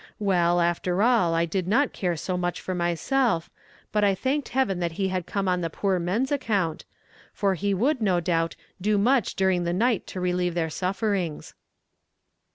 Well, after all, I did not care so much for myself, but I thanked heaven that he had come on the poor men's account, for he would, no doubt, do much during the night to relieve their sufferings.